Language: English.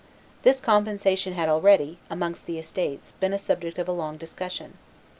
This compensation had already, amongst the estates, been the subject of a long discussion.